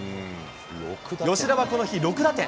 吉田はこの日６打点。